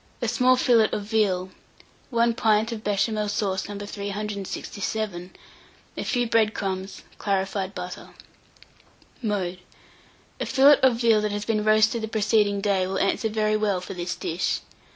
A small fillet of veal, 1 pint of Béchamel sauce No. 367, a few bread crumbs, clarified butter. Mode. A fillet of real that has been roasted the preceding day will answer very well for this dish.